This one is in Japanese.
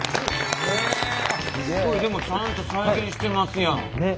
すごいでもちゃんと再現してますやん！